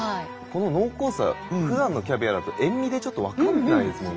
この濃厚さふだんのキャビアだと塩みでちょっと分かんないですもんね。